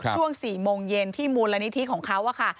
ช่วง๔โมงเย็นที่มูลนิธิของเขาค่ะ